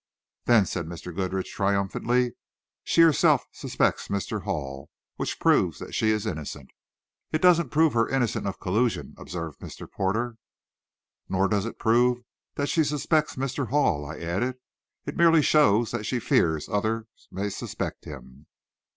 "Then," said Mr. Goodrich triumphantly, "she herself suspects Mr. Hall, which proves that she is innocent." "It doesn't prove her innocent of collusion," observed Mr. Porter. "Nor does it prove that she suspects Mr. Hall," I added. "It merely shows that she fears others may suspect him."